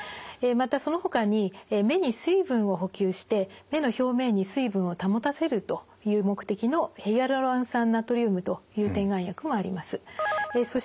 またそのほかに目に水分を補給して目の表面に水分を保たせるという目的のヒアルロン酸ナトリウムという点眼薬もあります。